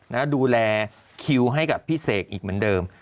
แล้วดูแลคิวให้กับพี่เสกอีกเหมือนเดิม